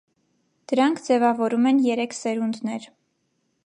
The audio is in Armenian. Դրանք ձևավորում են երեք սերունդներ։